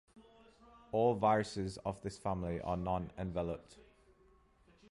All viruses of this family are non-enveloped.